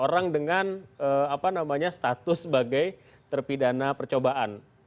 orang dengan apa namanya status sebagai terpidana percobaan